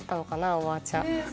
おばあちゃん。